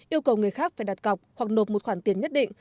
yêu cầu người khác phải đặt cọc hoặc nộp một khoản tiền nhất định